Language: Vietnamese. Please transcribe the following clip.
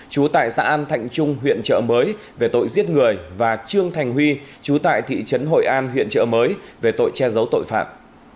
chú tại xã an thạnh trung huyện trợ mới về tội giết người và trương thành huy chú tại thị trấn hội an huyện trợ mới về tội che giấu tội phạm